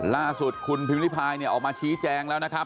ล่าสุดคุณพิมริพายเนี่ยออกมาชี้แจงแล้วนะครับ